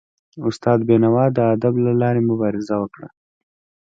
استاد بینوا د ادب له لاري مبارزه وکړه.